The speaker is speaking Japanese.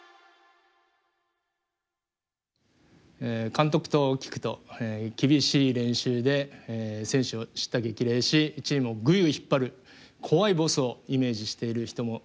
監督と聞くと厳しい練習で選手を叱咤激励しチームをぐいぐい引っ張る怖いボスをイメージしている人もいると思います。